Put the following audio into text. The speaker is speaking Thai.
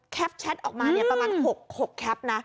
แชทออกมาประมาณ๖แคปนะ